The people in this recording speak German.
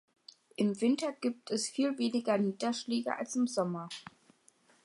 Im Winter gibt es viel weniger Niederschläge als im Sommer.